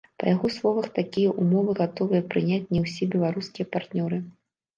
Па яго словах, такія ўмовы гатовыя прыняць не ўсе беларускія партнёры.